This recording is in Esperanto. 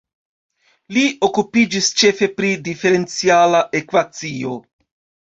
Li okupiĝis ĉefe pri Diferenciala ekvacio.